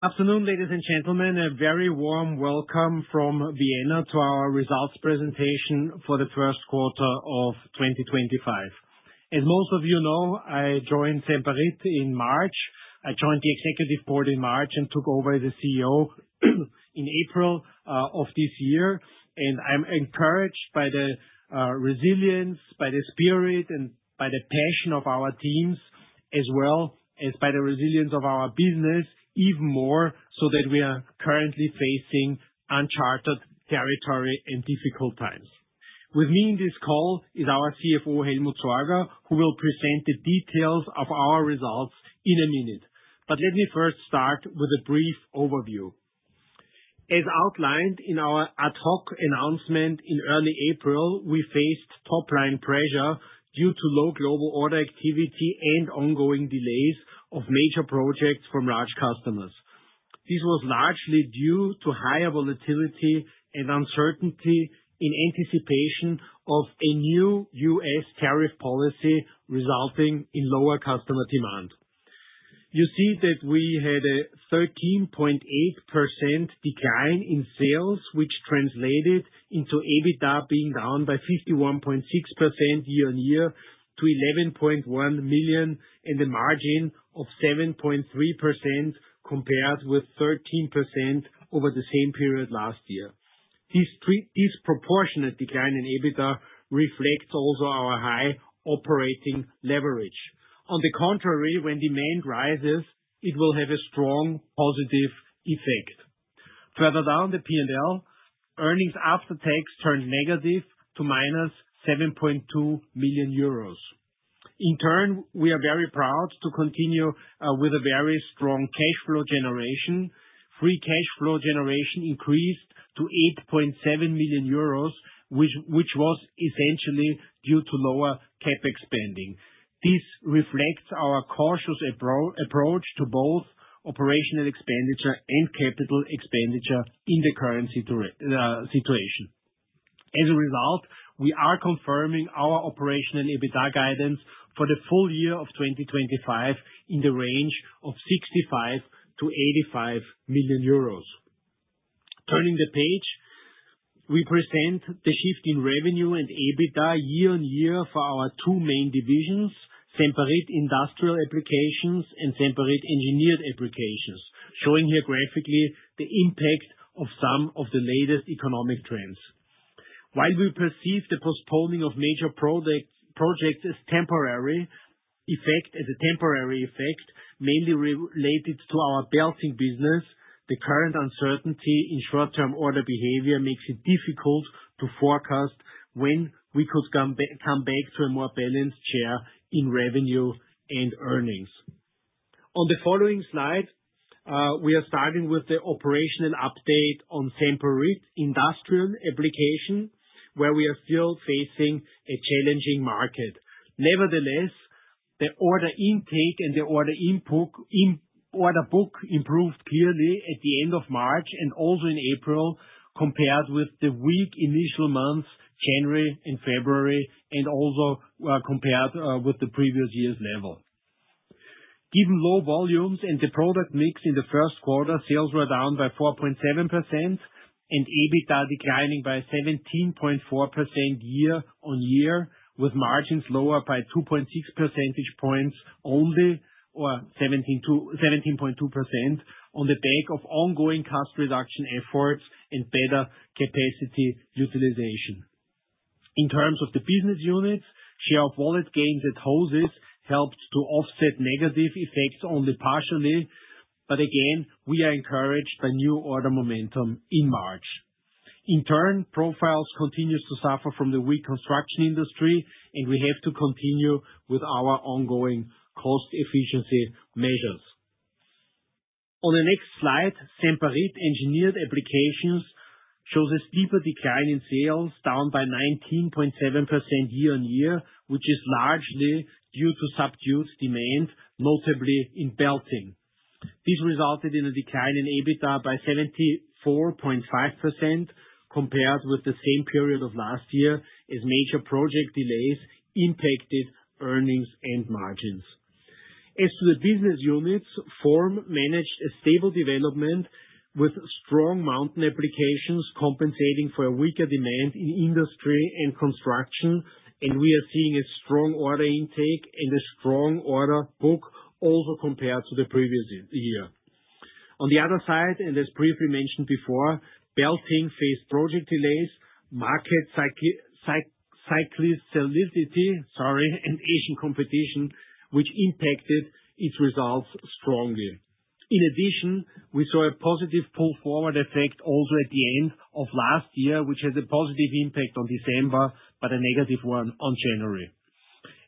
Afternoon, ladies and gentlemen. A very warm welcome from Vienna to our results presentation for the first quarter of 2025. As most of you know, I joined Semperit in March. I joined the executive board in March and took over as the CEO in April of this year. I am encouraged by the resilience, by the spirit, and by the passion of our teams, as well as by the resilience of our business even more, so that we are currently facing uncharted territory and difficult times. With me in this call is our CFO, Helmut Sorger, who will present the details of our results in a minute. Let me first start with a brief overview. As outlined in our ad hoc announcement in early April, we faced top-line pressure due to low global order activity and ongoing delays of major projects from large customers. This was largely due to higher volatility and uncertainty in anticipation of a new US tariff policy resulting in lower customer demand. You see that we had a 13.8% decline in sales, which translated into EBITDA being down by 51.6% year-on-year to 11.1 million and a margin of 7.3% compared with 13% over the same period last year. This disproportionate decline in EBITDA reflects also our high operating leverage. On the contrary, when demand rises, it will have a strong positive effect. Further down the P&L, earnings after tax turned negative to minus 7.2 million euros. In turn, we are very proud to continue with a very strong cash flow generation. Free cash flow generation increased to 8.7 million euros, which was essentially due to lower CapEx spending. This reflects our cautious approach to both operational expenditure and capital expenditure in the current situation. As a result, we are confirming our operational EBITDA guidance for the full year of 2025 in the range of 65 million-85 million euros. Turning the page, we present the shift in revenue and EBITDA year-on-year for our two main divisions, Semperit Industrial Applications and Semperit Engineered Applications, showing here graphically the impact of some of the latest economic trends. While we perceive the postponing of major projects as a temporary effect, mainly related to our belting business, the current uncertainty in short-term order behavior makes it difficult to forecast when we could come back to a more balanced share in revenue and earnings. On the following slide, we are starting with the operational update on Semperit Industrial Applications, where we are still facing a challenging market. Nevertheless, the order intake and the order book improved clearly at the end of March and also in April compared with the weak initial months, January and February, and also compared with the previous year's level. Given low volumes and the product mix in the first quarter, sales were down by 4.7% and EBITDA declining by 17.4% year-on-year, with margins lower by 2.6 percentage points only, or 17.2%, on the back of ongoing cost reduction efforts and better capacity utilization. In terms of the business units, share of wallet gains at Hoses helped to offset negative effects only partially, but again, we are encouraged by new order momentum in March. In turn, Profiles continue to suffer from the weak construction industry, and we have to continue with our ongoing cost efficiency measures. On the next slide, Semperit Engineered Applications shows a steeper decline in sales, down by 19.7% year-on-year, which is largely due to subdued demand, notably in belting. This resulted in a decline in EBITDA by 74.5% compared with the same period of last year, as major project delays impacted earnings and margins. As to the business units, FORM managed a stable development with strong mountain applications compensating for weaker demand in industry and construction, and we are seeing a strong order intake and a strong order book also compared to the previous year. On the other side, and as briefly mentioned before, belting faced project delays, market cyclicality, sorry, and Asian competition, which impacted its results strongly. In addition, we saw a positive pull forward effect also at the end of last year, which had a positive impact on December but a negative one on January.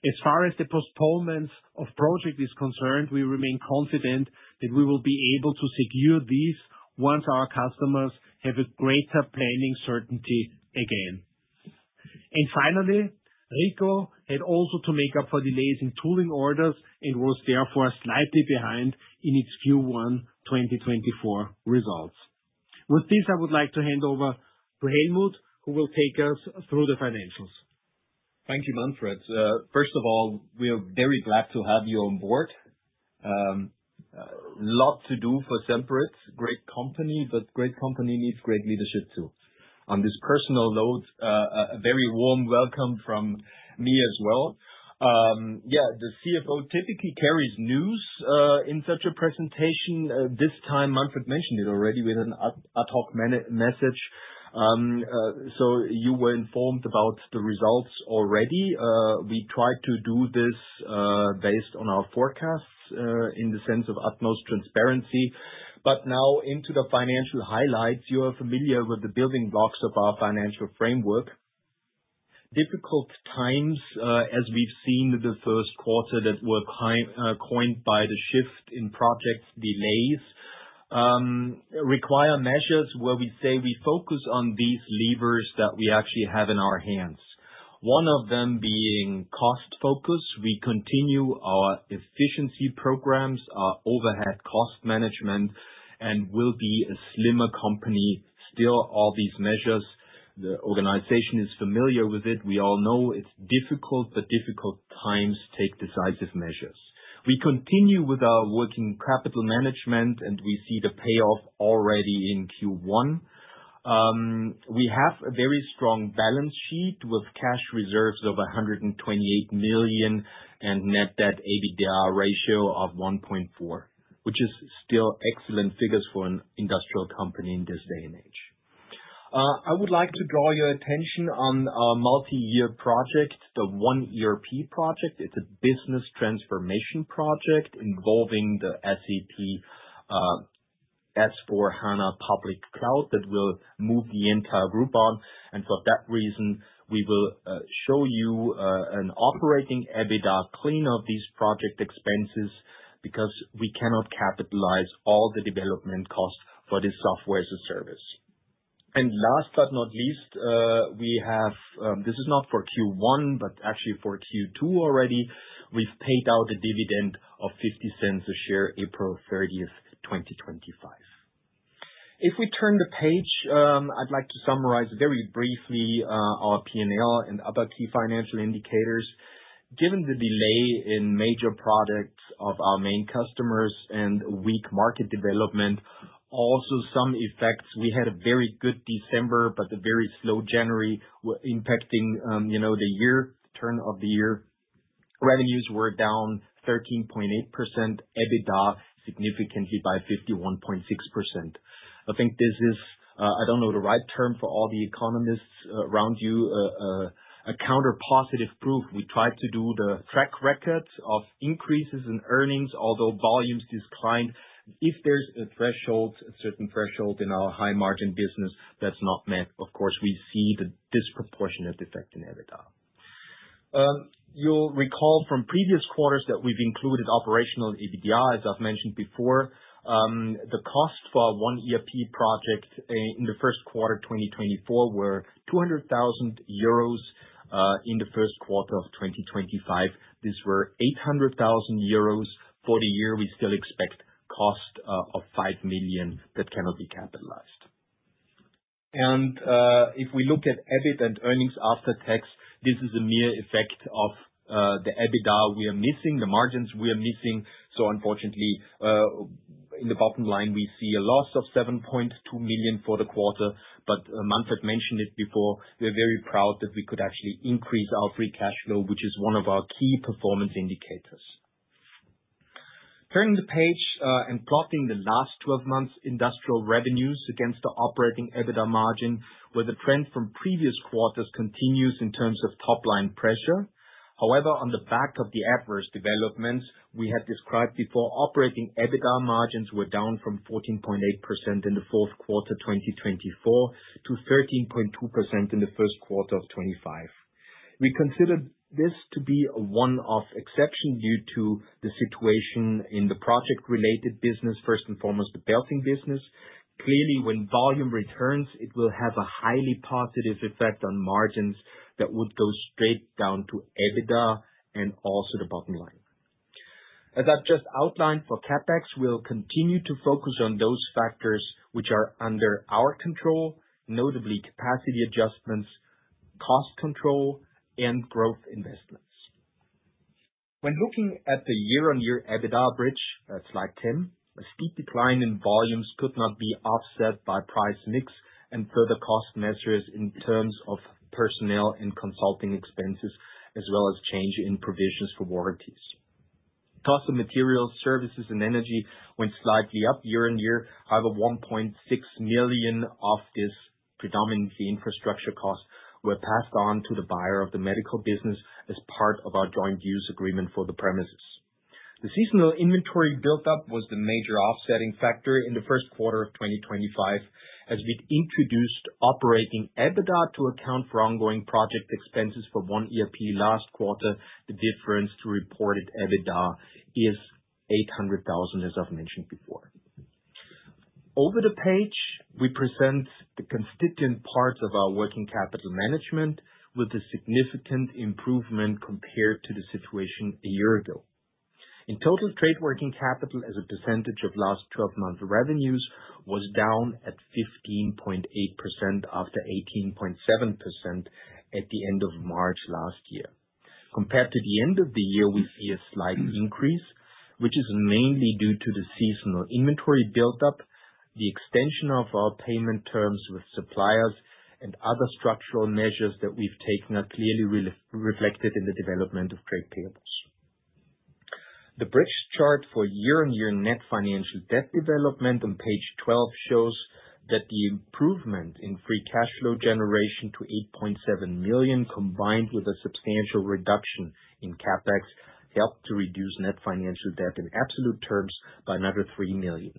As far as the postponement of project is concerned, we remain confident that we will be able to secure this once our customers have a greater planning certainty again. Finally, RICO had also to make up for delays in tooling orders and was therefore slightly behind in its Q1 2024 results. With this, I would like to hand over to Helmut, who will take us through the financials. Thank you, Manfred. First of all, we are very glad to have you on board. A lot to do for Semperit, great company, but great company needs great leadership too. On this personal note, a very warm welcome from me as well. Yeah, the CFO typically carries news in such a presentation. This time, Manfred mentioned it already with an ad hoc message. You were informed about the results already. We tried to do this based on our forecasts in the sense of utmost transparency. Now into the financial highlights, you are familiar with the building blocks of our financial framework. Difficult times, as we've seen in the first quarter that were coined by the shift in project delays, require measures where we say we focus on these levers that we actually have in our hands. One of them being cost focus. We continue our efficiency programs, our overhead cost management, and will be a slimmer company. Still, all these measures, the organization is familiar with it. We all know it's difficult, but difficult times take decisive measures. We continue with our working capital management, and we see the payoff already in Q1. We have a very strong balance sheet with cash reserves of 128 million and net debt/EBITDA ratio of 1.4, which is still excellent figures for an industrial company in this day and age. I would like to draw your attention on our multi-year project, the oneERP project. It's a business transformation project involving the SAP S/4HANA public cloud that we'll move the entire group on. For that reason, we will show you an operating EBITDA clean of these project expenses because we cannot capitalize all the development costs for this software as a service. Last but not least, we have, this is not for Q1, but actually for Q2 already, we have paid out a dividend of 0.50 a share April 30, 2025. If we turn the page, I would like to summarize very briefly our P&L and other key financial indicators. Given the delay in major products of our main customers and weak market development, also some effects, we had a very good December, but a very slow January impacting the year, turn of the year. Revenues were down 13.8%, EBITDA significantly by 51.6%. I think this is, I do not know the right term for all the economists around you, a counter-positive proof. We tried to do the track record of increases in earnings, although volumes declined. If there is a threshold, a certain threshold in our high-margin business that is not met, of course, we see the disproportionate effect in EBITDA. You'll recall from previous quarters that we've included operational EBITDA, as I've mentioned before. The cost for a oneERP project in the first quarter 2024 were 200,000 euros. In the first quarter of 2025, this were 800,000 euros for the year. We still expect cost of 5 million that cannot be capitalized. If we look at EBIT and earnings after tax, this is a mere effect of the EBITDA we are missing, the margins we are missing. Unfortunately, in the bottom line, we see a loss of 7.2 million for the quarter, but Manfred mentioned it before. We're very proud that we could actually increase our free cash flow, which is one of our key performance indicators. Turning the page and plotting the last 12 months' industrial revenues against the operating EBITDA margin, where the trend from previous quarters continues in terms of top-line pressure. However, on the back of the adverse developments we had described before, operating EBITDA margins were down from 14.8% in the fourth quarter 2024 to 13.2% in the first quarter of 2025. We consider this to be one of exception due to the situation in the project-related business, first and foremost, the belting business. Clearly, when volume returns, it will have a highly positive effect on margins that would go straight down to EBITDA and also the bottom line. As I've just outlined for CapEx, we'll continue to focus on those factors which are under our control, notably capacity adjustments, cost control, and growth investments. When looking at the year-on-year EBITDA bridge, that's slide 10, a steep decline in volumes could not be offset by price mix and further cost measures in terms of personnel and consulting expenses, as well as change in provisions for warranties. Cost of materials, services, and energy went slightly up year-on-year. However, 1.6 million of this predominantly infrastructure cost were passed on to the buyer of the medical business as part of our joint use agreement for the premises. The seasonal inventory buildup was the major offsetting factor in the first quarter of 2025. As we introduced operating EBITDA to account for ongoing project expenses for oneERP last quarter, the difference to reported EBITDA is 800,000, as I've mentioned before. Over the page, we present the constituent parts of our working capital management with a significant improvement compared to the situation a year ago. In total, trade working capital as a percentage of last 12 months' revenues was down at 15.8% after 18.7% at the end of March last year. Compared to the end of the year, we see a slight increase, which is mainly due to the seasonal inventory buildup, the extension of our payment terms with suppliers, and other structural measures that we've taken are clearly reflected in the development of trade payables. The bridge chart for year-on-year net financial debt development on page 12 shows that the improvement in free cash flow generation to 8.7 million, combined with a substantial reduction in CapEx, helped to reduce net financial debt in absolute terms by another 3 million.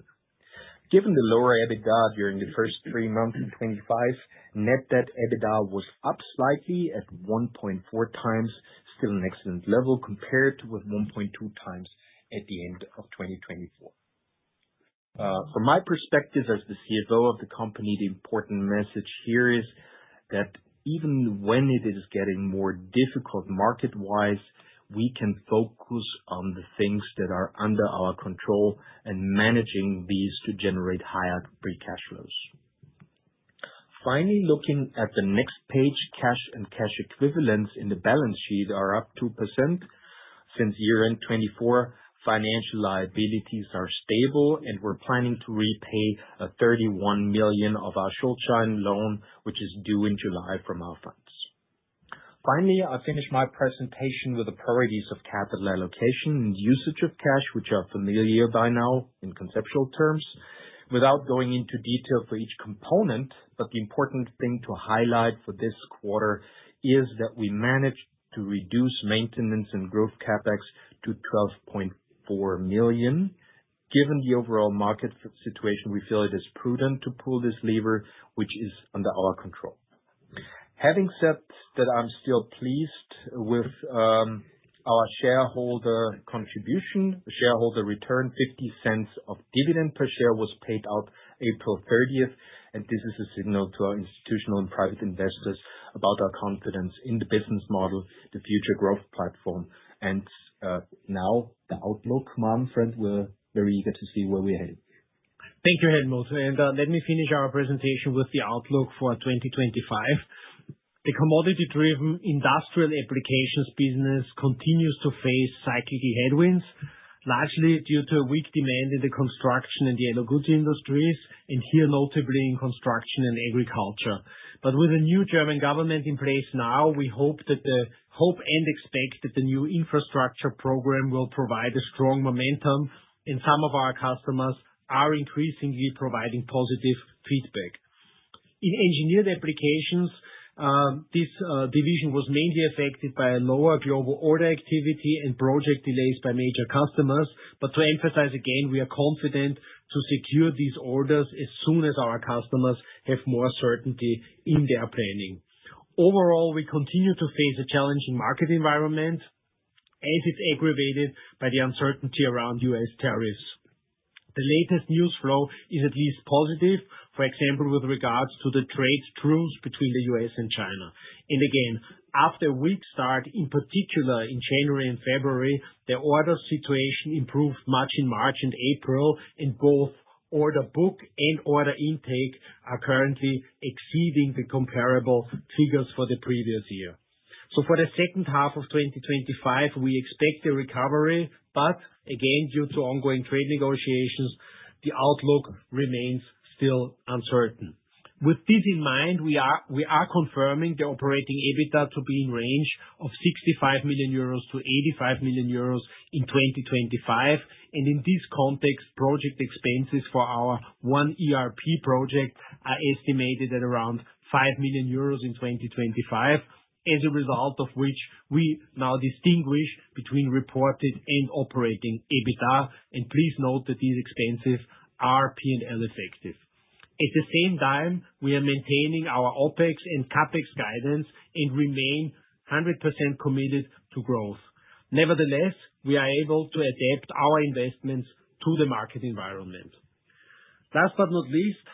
Given the lower EBITDA during the first three months of 2025, net debt/EBITDA was up slightly at 1.4x, still an excellent level compared with 1.2x at the end of 2024. From my perspective as the CFO of the company, the important message here is that even when it is getting more difficult market-wise, we can focus on the things that are under our control and managing these to generate higher free cash flows. Finally, looking at the next page, cash and cash equivalents in the balance sheet are up 2%. Since year-end 2024, financial liabilities are stable, and we're planning to repay 31 million of our short-term loan, which is due in July from our funds. Finally, I finished my presentation with the priorities of capital allocation and usage of cash, which are familiar by now in conceptual terms. Without going into detail for each component, but the important thing to highlight for this quarter is that we managed to reduce maintenance and growth CapEx to 12.4 million. Given the overall market situation, we feel it is prudent to pull this lever, which is under our control. Having said that, I'm still pleased with our shareholder contribution. The shareholder returned 0.50 of dividend per share was paid out April 30th, and this is a signal to our institutional and private investors about our confidence in the business model, the future growth platform, and now the outlook. Manfred, we're very eager to see where we're headed. Thank you, Helmut. Let me finish our presentation with the outlook for 2025. The commodity-driven industrial applications business continues to face cyclical headwinds, largely due to weak demand in the construction and yellow goods industries, and here notably in construction and agriculture. With a new German government in place now, we hope and expect that the new infrastructure program will provide strong momentum, and some of our customers are increasingly providing positive feedback. In engineered applications, this division was mainly affected by lower global order activity and project delays by major customers. To emphasize again, we are confident to secure these orders as soon as our customers have more certainty in their planning. Overall, we continue to face a challenging market environment as it is aggravated by the uncertainty around US tariffs. The latest news flow is at least positive, for example, with regards to the trade truce between the U.S. and China. After a weak start, in particular in January and February, the order situation improved much in March and April, and both order book and order intake are currently exceeding the comparable figures for the previous year. For the second half of 2025, we expect a recovery, but due to ongoing trade negotiations, the outlook remains still uncertain. With this in mind, we are confirming the operating EBITDA to be in the range of 65 million-85 million euros in 2025. In this context, project expenses for our oneERP project are estimated at around 5 million euros in 2025, as a result of which we now distinguish between reported and operating EBITDA. Please note that these expenses are P&L effective. At the same time, we are maintaining our OpEx and CapEx guidance and remain 100% committed to growth. Nevertheless, we are able to adapt our investments to the market environment. Last but not least,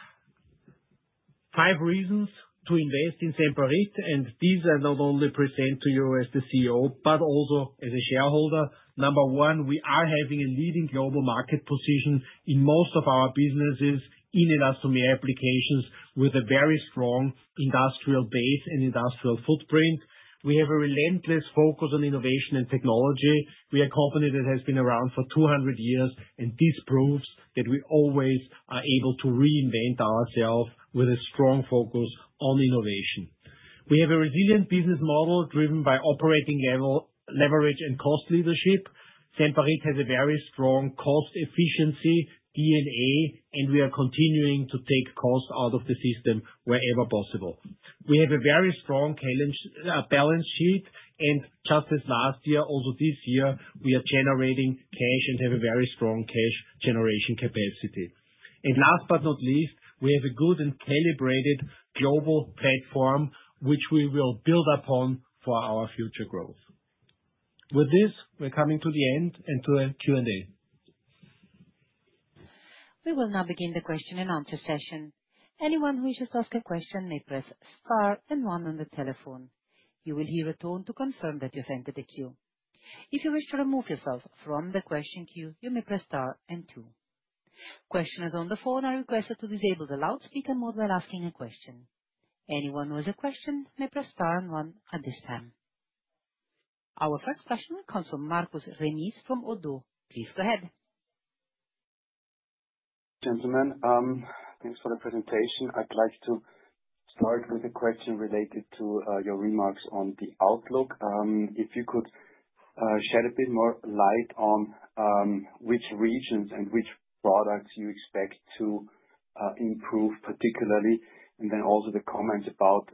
five reasons to invest in Semperit. These are not only present to you as the CEO, but also as a shareholder. Number one, we are having a leading global market position in most of our businesses in elastomer applications with a very strong industrial base and industrial footprint. We have a relentless focus on innovation and technology. We are a company that has been around for 200 years, and this proves that we always are able to reinvent ourselves with a strong focus on innovation. We have a resilient business model driven by operating leverage and cost leadership. Semperit has a very strong cost efficiency DNA, and we are continuing to take cost out of the system wherever possible. We have a very strong balance sheet, and just as last year, also this year, we are generating cash and have a very strong cash generation capacity. Last but not least, we have a good and calibrated global platform, which we will build upon for our future growth. With this, we're coming to the end and to the Q&A. We will now begin the question and answer session. Anyone who wishes to ask a question may press star and one on the telephone. You will hear a tone to confirm that you've entered the queue. If you wish to remove yourself from the question queue, you may press star and two. Questioners on the phone are requested to disable the loudspeaker mode while asking a question. Anyone who has a question may press star and one at this time. Our first question will come from Marcus Remis from ODDO. Please go ahead. Gentlemen, thanks for the presentation. I'd like to start with a question related to your remarks on the outlook. If you could shed a bit more light on which regions and which products you expect to improve particularly, and then also the comments about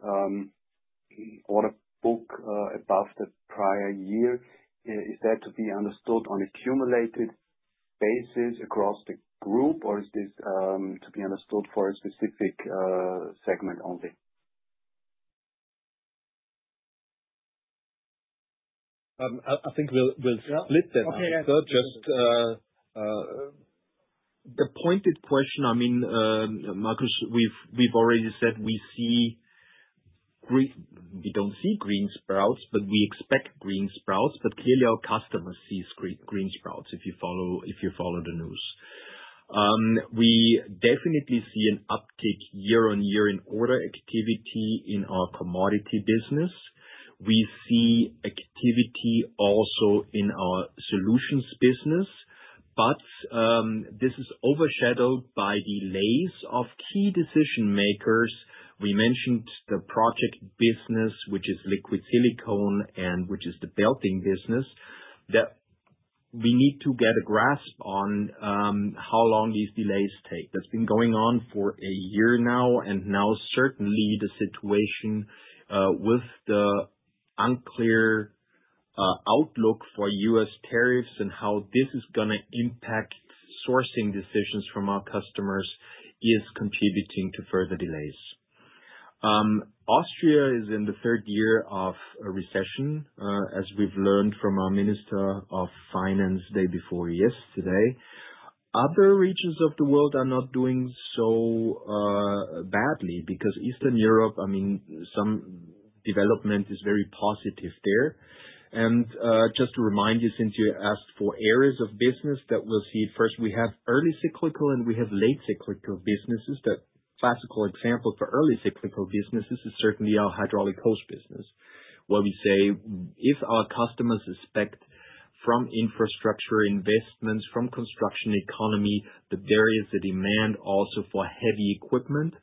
order book above the prior year, is that to be understood on a cumulated basis across the group, or is this to be understood for a specific segment only? I think we'll split that answer. Just the pointed question, I mean, Marcus, we've already said we don't see green sprouts, but we expect green sprouts. Clearly, our customers see green sprouts if you follow the news. We definitely see an uptick year-on-year in order activity in our commodity business. We see activity also in our solutions business, but this is overshadowed by delays of key decision makers. We mentioned the project business, which is liquid silicone and which is the belting business. We need to get a grasp on how long these delays take. That's been going on for a year now, and now certainly the situation with the unclear outlook for US tariffs and how this is going to impact sourcing decisions from our customers is contributing to further delays. Austria is in the third year of a recession, as we've learned from our Minister of Finance the day before yesterday. Other regions of the world are not doing so badly because Eastern Europe, I mean, some development is very positive there. And just to remind you, since you asked for areas of business that we'll see, first, we have early cyclical and we have late cyclical businesses. The classical example for early cyclical businesses is certainly our hydraulic hose business, where we say if our customers expect from infrastructure investments, from construction economy, there is a demand also for heavy equipment.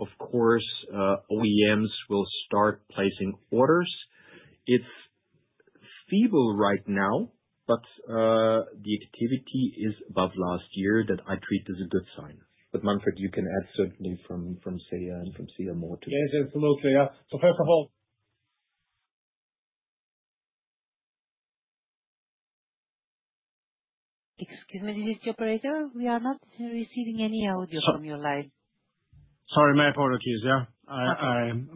Of course, OEMs will start placing orders. It's feeble right now, but the activity is above last year that I treat as a good sign. But Manfred, you can add certainly from SEA and from CMO too. Yes, absolutely. So first of all. Excuse me, this is the operator. We are not receiving any audio from your line. Sorry, my apologies. Yeah, I am.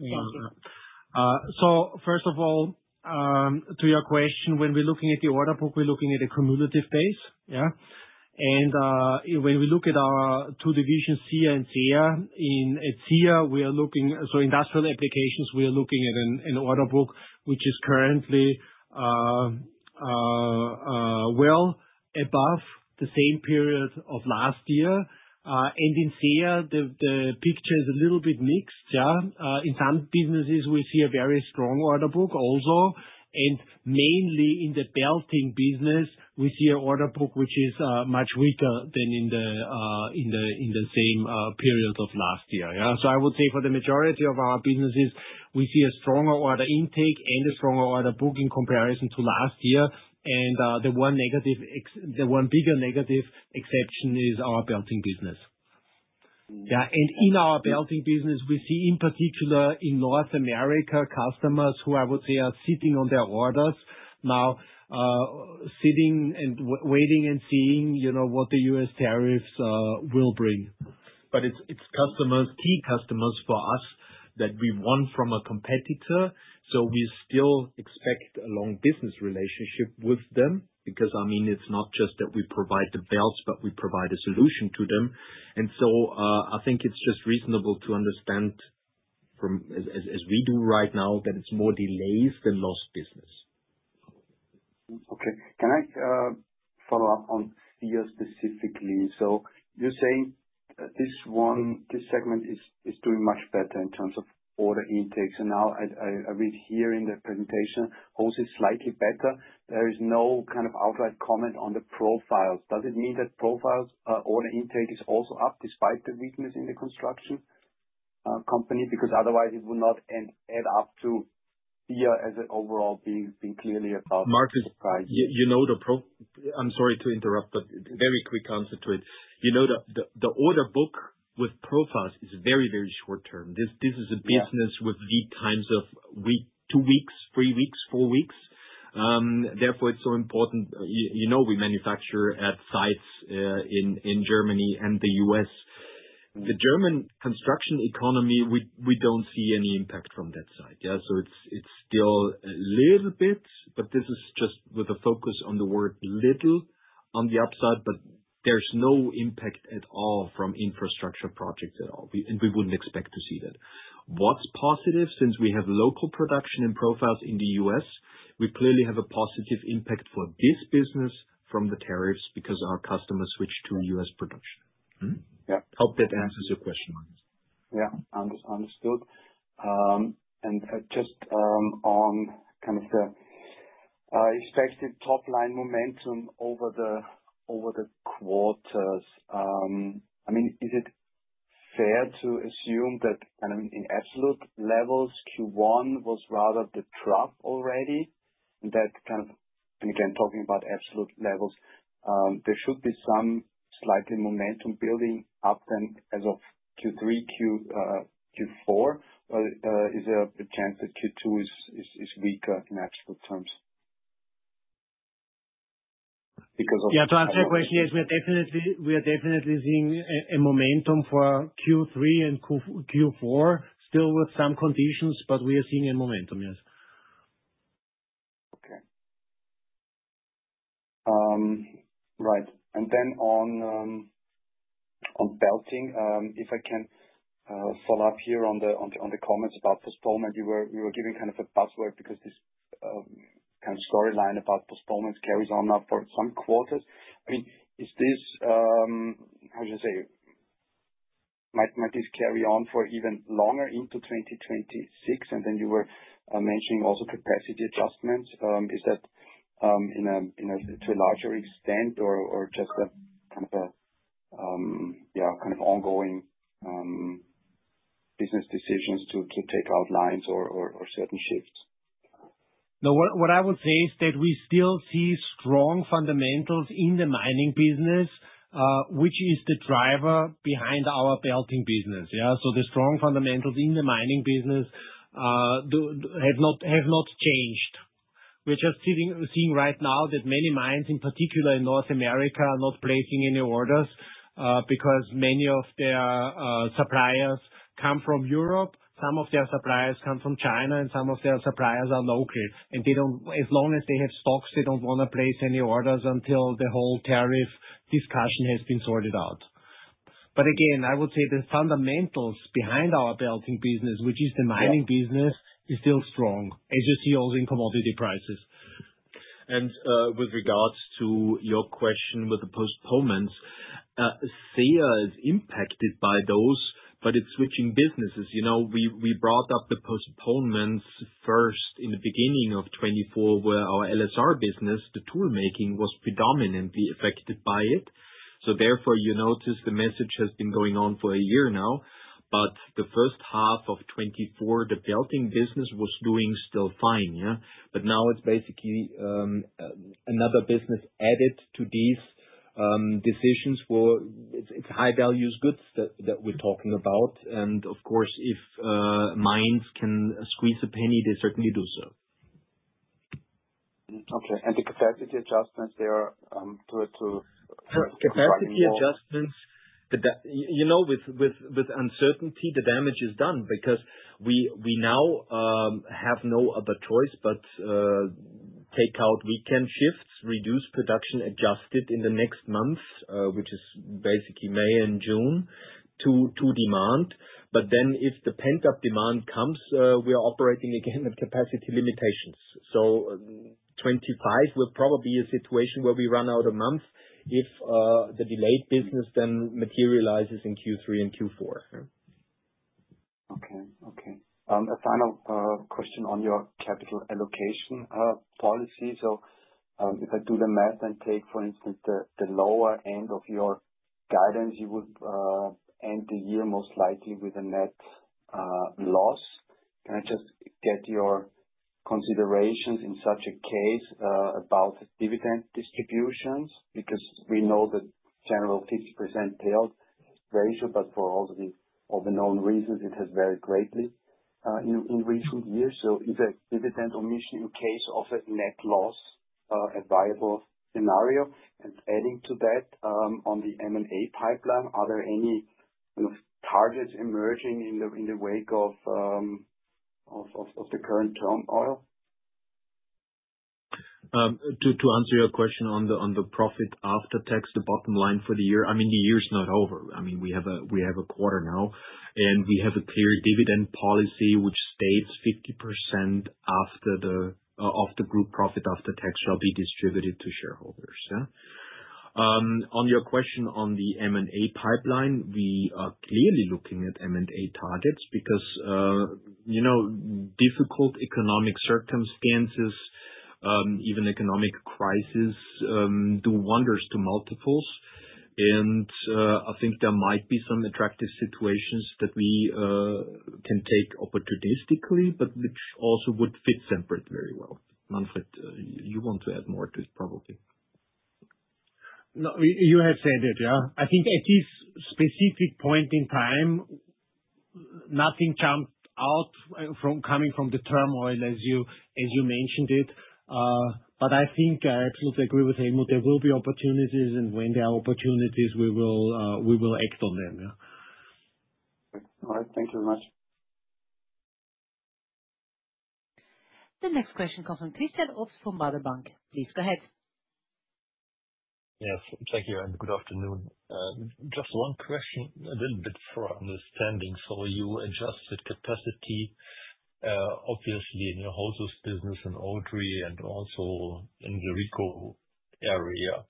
First of all, to your question, when we're looking at the order book, we're looking at a cumulative base. When we look at our two divisions, SEA and SEA, in SEA, we are looking, so industrial applications, we are looking at an order book, which is currently well above the same period of last year. In SEA, the picture is a little bit mixed. In some businesses, we see a very strong order book also. Mainly in the belting business, we see an order book, which is much weaker than in the same period of last year. I would say for the majority of our businesses, we see a stronger order intake and a stronger order book in comparison to last year. The one bigger negative exception is our belting business. In our belting business, we see in particular in North America customers who I would say are sitting on their orders now, sitting and waiting and seeing what the US tariffs will bring. It is customers, key customers for us that we want from a competitor. We still expect a long business relationship with them because, I mean, it is not just that we provide the belts, but we provide a solution to them. I think it is just reasonable to understand, as we do right now, that it is more delays than lost business. Okay. Can I follow up on SEA specifically? So you're saying this segment is doing much better in terms of order intake. Now I read here in the presentation, hoses is slightly better. There is no kind of outright comment on the profiles. Does it mean that profiles order intake is also up despite the weakness in the construction company? Because otherwise, it would not add up to SEA as an overall being clearly above the price. Marcus, I'm sorry to interrupt, but very quick answer to it. The order book with profiles is very, very short term. This is a business with lead times of two weeks, three weeks, four weeks. Therefore, it's so important. We manufacture at sites in Germany and the U.S. The German construction economy, we don't see any impact from that side. It's still a little bit, but this is just with a focus on the word little on the upside, but there's no impact at all from infrastructure projects at all. We wouldn't expect to see that. What's positive, since we have local production and profiles in the U.S., we clearly have a positive impact for this business from the tariffs because our customers switched to US production. Hope that answers your question, Marcus. Yeah, understood. Just on kind of the expected top-line momentum over the quarters, I mean, is it fair to assume that in absolute levels, Q1 was rather the trough already? I mean, talking about absolute levels, there should be some slightly momentum building up then as of Q3, Q4. Is there a chance that Q2 is weaker in absolute terms? Yeah, to answer your question, yes, we are definitely seeing a momentum for Q3 and Q4, still with some conditions, but we are seeing a momentum, yes. Okay. Right. And then on belting, if I can follow up here on the comments about postponement, we were giving kind of a buzzword because this kind of storyline about postponements carries on now for some quarters. I mean, is this, how should I say, might this carry on for even longer into 2026? I mean, you were mentioning also capacity adjustments. Is that to a larger extent or just kind of a kind of ongoing business decisions to take outlines or certain shifts? No, what I would say is that we still see strong fundamentals in the mining business, which is the driver behind our belting business. The strong fundamentals in the mining business have not changed. We're just seeing right now that many mines, in particular in North America, are not placing any orders because many of their suppliers come from Europe, some of their suppliers come from China, and some of their suppliers are local. As long as they have stocks, they don't want to place any orders until the whole tariff discussion has been sorted out. Again, I would say the fundamentals behind our belting business, which is the mining business, are still strong, as you see also in commodity prices. With regards to your question with the postponements, SEA is impacted by those, but it's switching businesses. We brought up the postponements first in the beginning of 2024, where our LSR business, the toolmaking, was predominantly affected by it. Therefore, you notice the message has been going on for a year now. The first half of 2024, the belting business was doing still fine. Now it is basically another business added to these decisions. It is high-value goods that we are talking about. Of course, if mines can squeeze a penny, they certainly do so. Okay. The capacity adjustments, they are too much? Capacity adjustments, with uncertainty, the damage is done because we now have no other choice but take out weekend shifts, reduce production, adjust it in the next month, which is basically May and June, to demand. If the pent-up demand comes, we are operating again at capacity limitations. 2025 will probably be a situation where we run out a month if the delayed business then materializes in Q3 and Q4. Okay. Okay. A final question on your capital allocation policy. If I do the math and take, for instance, the lower end of your guidance, you would end the year most likely with a net loss. Can I just get your considerations in such a case about dividend distributions? We know the general 50% payout ratio, but for all the overknown reasons, it has varied greatly in recent years. Is a dividend omission in case of a net loss a viable scenario? Adding to that, on the M&A pipeline, are there any targets emerging in the wake of the current turmoil? To answer your question on the profit after tax, the bottom line for the year, I mean, the year is not over. I mean, we have a quarter now, and we have a clear dividend policy which states 50% after the group profit after tax shall be distributed to shareholders. On your question on the M&A pipeline, we are clearly looking at M&A targets because difficult economic circumstances, even economic crises, do wonders to multiples. I think there might be some attractive situations that we can take opportunistically, but which also would fit Semperit very well. Manfred, you want to add more to it, probably. You have said it. I think at this specific point in time, nothing jumped out coming from the turmoil, as you mentioned it. I think I absolutely agree with Helmut. There will be opportunities, and when there are opportunities, we will act on them. All right. Thank you very much. The next question comes from Christian Obst from Baader Bank. Please go ahead. Yes. Thank you. Good afternoon. Just one question, a little bit for understanding. You adjusted capacity, obviously, in your hose business in Odry and also in the RICO area.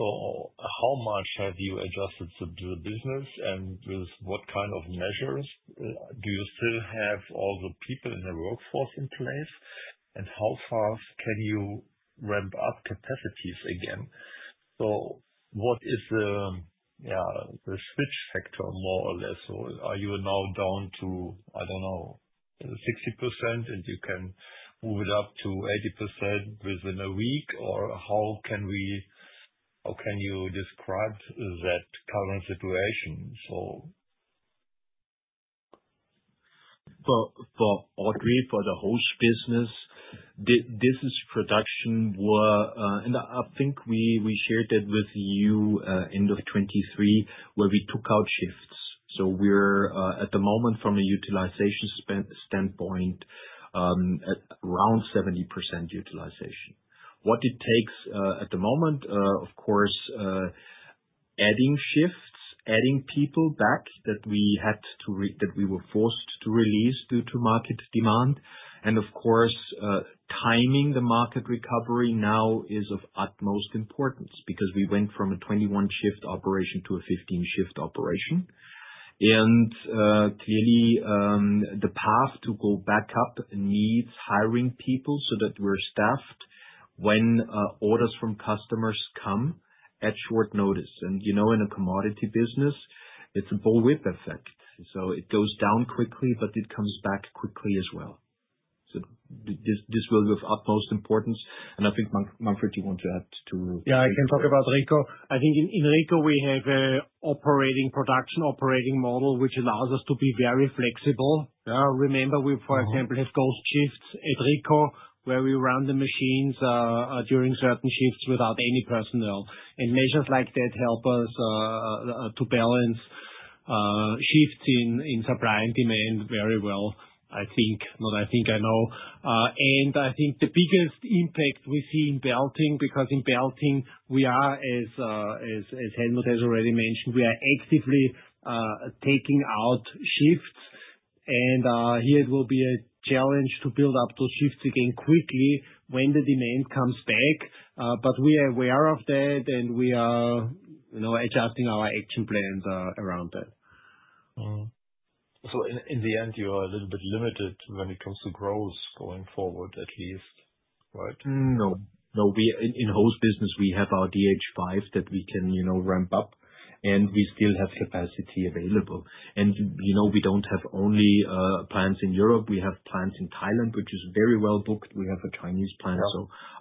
How much have you adjusted the business, and with what kind of measures? Do you still have all the people in the workforce in place, and how fast can you ramp up capacities again? What is the switch factor, more or less? Are you now down to, I do not know, 60%, and you can move it up to 80% within a week? How can you describe that current situation? For Odry, for the hose business, this is production where, and I think we shared that with you end of 2023, where we took out shifts. We are, at the moment, from a utilization standpoint, around 70% utilization. What it takes at the moment, of course, is adding shifts, adding people back that we had to, that we were forced to release due to market demand. Of course, timing the market recovery now is of utmost importance because we went from a 21-shift operation to a 15-shift operation. Clearly, the path to go back up needs hiring people so that we are staffed when orders from customers come at short notice. In a commodity business, it is a bullwhip effect. It goes down quickly, but it comes back quickly as well. This will be of utmost importance. I think, Manfred, you want to add to? Yeah, I can talk about RICO. I think in RICO, we have an operating production, operating model, which allows us to be very flexible. Remember, we, for example, have ghost shifts at RICO, where we run the machines during certain shifts without any personnel. Measures like that help us to balance shifts in supply and demand very well, I think. Not I think, I know. I think the biggest impact we see in belting, because in belting, we are, as Helmut has already mentioned, we are actively taking out shifts. Here, it will be a challenge to build up those shifts again quickly when the demand comes back. We are aware of that, and we are adjusting our action plans around that. In the end, you are a little bit limited when it comes to growth going forward, at least, right? No. In hose business, we have our DH5 that we can ramp up, and we still have capacity available. We do not have only plants in Europe. We have plants in Thailand, which is very well booked. We have a Chinese plant.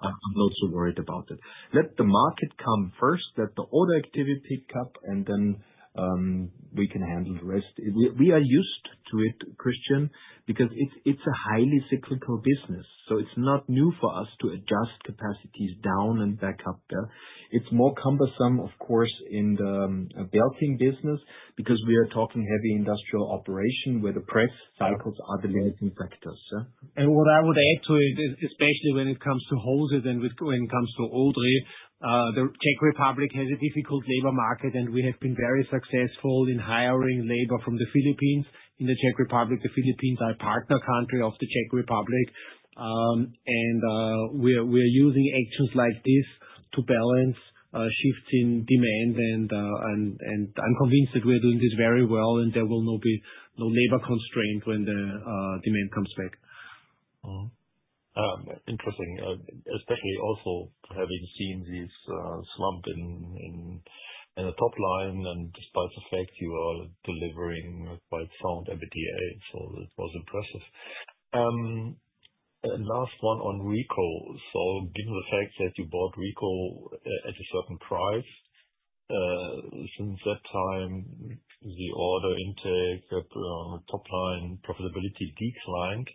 I am not so worried about it. Let the market come first, let the order activity pick up, and then we can handle the rest. We are used to it, Christian, because it is a highly cyclical business. It is not new for us to adjust capacities down and back up. It is more cumbersome, of course, in the belting business because we are talking heavy industrial operation where the press cycles are the limiting factors. What I would add to it, especially when it comes to hoses and when it comes to Odry, the Czech Republic has a difficult labor market, and we have been very successful in hiring labor from the Philippines. In the Czech Republic, the Philippines are a partner country of the Czech Republic. We are using actions like this to balance shifts in demand. I am convinced that we are doing this very well, and there will be no labor constraint when the demand comes back. Interesting, especially also having seen this slump in the top line. Despite the fact, you are delivering quite sound EBITDA. It was impressive. Last one on RICO. Given the fact that you bought RICO at a certain price, since that time, the order intake, top-line profitability declined.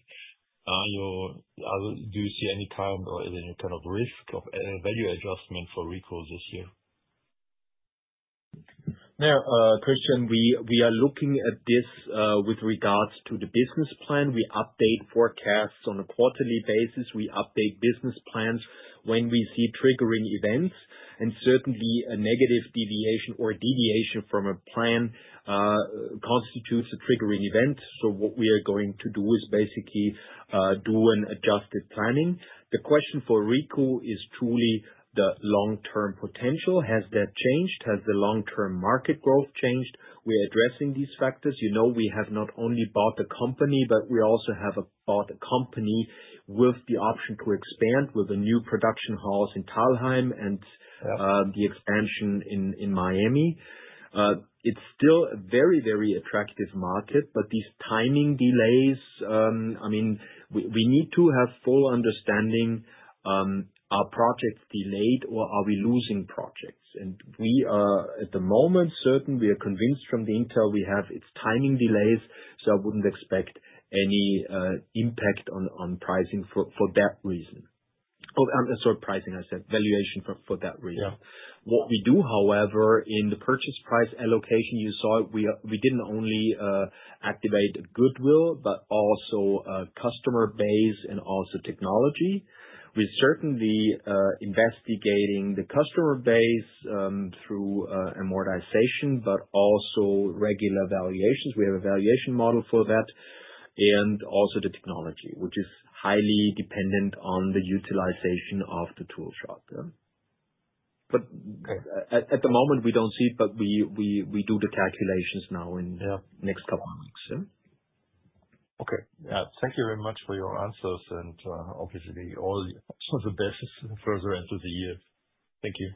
Do you see any kind or any kind of risk of value adjustment for RICO this year? No, Christian, we are looking at this with regards to the business plan. We update forecasts on a quarterly basis. We update business plans when we see triggering events. Certainly, a negative deviation or deviation from a plan constitutes a triggering event. What we are going to do is basically do an adjusted planning. The question for RICO is truly the long-term potential. Has that changed? Has the long-term market growth changed? We are addressing these factors. We have not only bought a company, but we also have bought a company with the option to expand with a new production house in Talheim and the expansion in Miami. It is still a very, very attractive market, but these timing delays, I mean, we need to have full understanding. Are projects delayed, or are we losing projects? At the moment, certainly, we are convinced from the intel we have, it's timing delays. I wouldn't expect any impact on pricing for that reason. Sorry, pricing, I said, valuation for that reason. What we do, however, in the purchase price allocation you saw, we didn't only activate goodwill, but also customer base and also technology. We're certainly investigating the customer base through amortization, but also regular valuations. We have a valuation model for that and also the technology, which is highly dependent on the utilization of the tool shop. At the moment, we don't see it, but we do the calculations now in the next couple of weeks. Okay. Thank you very much for your answers. Obviously, all the best further into the year. Thank you.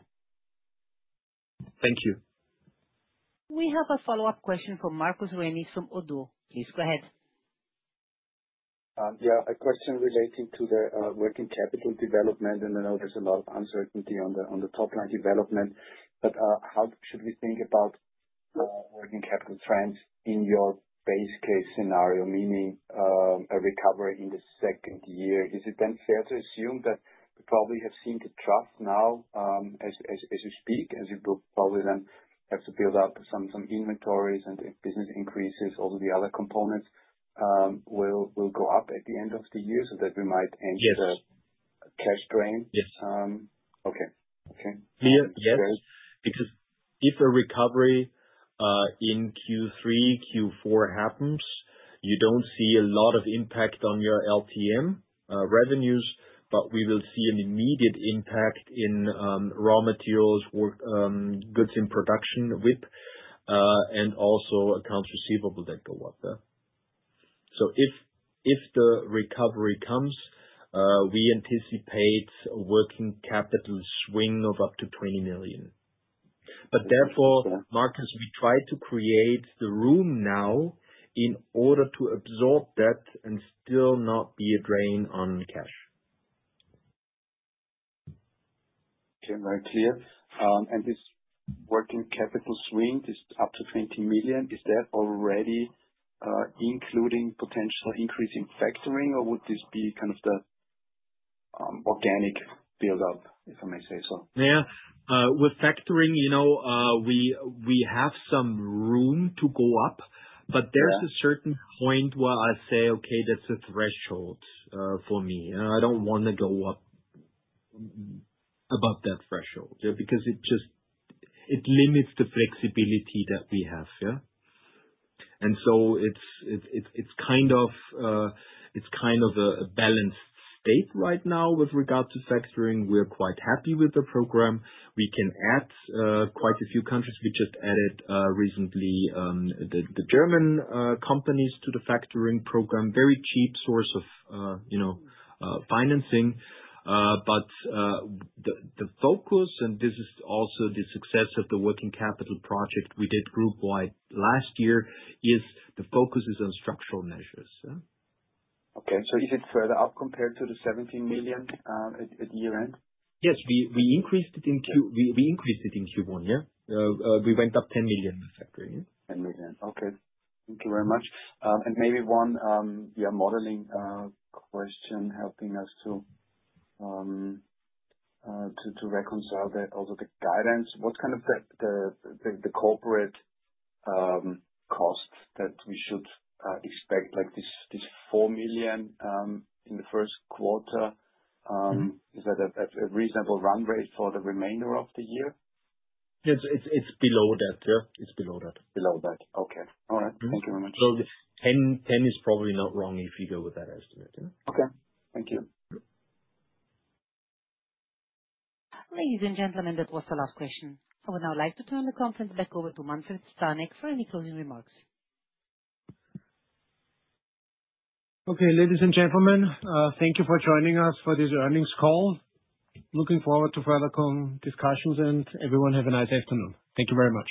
Thank you. We have a follow-up question from Marcus Remis from ODDO. Please go ahead. Yeah. A question relating to the working capital development. I know there is a lot of uncertainty on the top-line development, but how should we think about working capital trends in your base case scenario, meaning a recovery in the second year? Is it then fair to assume that we probably have seen the trough now as you speak, as you will probably then have to build up some inventories and business increases, all the other components will go up at the end of the year so that we might end the cash drain? Yes. Okay. Okay. Yes. That's great. Because if a recovery in Q3, Q4 happens, you do not see a lot of impact on your LTM revenues, but we will see an immediate impact in raw materials, goods in production, WIP, and also accounts receivable that go up there. If the recovery comes, we anticipate a working capital swing of up to 20 million. Therefore, Marcus, we try to create the room now in order to absorb that and still not be a drain on cash. Okay. Very clear. This working capital swing, this up to 20 million, is that already including potential increase in factoring, or would this be kind of the organic build-up, if I may say so? Yeah. With factoring, we have some room to go up, but there's a certain point where I say, "Okay, that's a threshold for me. I don't want to go up above that threshold because it limits the flexibility that we have." It is kind of a balanced state right now with regard to factoring. We're quite happy with the program. We can add quite a few countries. We just added recently the German companies to the factoring program, very cheap source of financing. The focus, and this is also the success of the working capital project we did group-wide last year, is the focus is on structural measures. Okay. Is it further up compared to the 17 million at year-end? Yes. We increased it in Q1. Yeah. We went up 10 million with factoring. 10 million. Okay. Thank you very much. Maybe one modeling question helping us to reconcile also the guidance. What kind of the corporate costs that we should expect, like this 4 million in the first quarter? Is that a reasonable run rate for the remainder of the year? Yes. It's below that. Yeah. It's below that. Below that. Okay. All right. Thank you very much. 10 million is probably not wrong if you go with that estimate. Okay. Thank you. Ladies and gentlemen, that was the last question. I would now like to turn the conference back over to Manfred Stanek for any closing remarks. Okay. Ladies and gentlemen, thank you for joining us for this Earnings Call. Looking forward to further discussions, and everyone have a nice afternoon. Thank you very much.